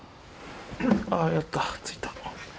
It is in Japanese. あぁやった着いた。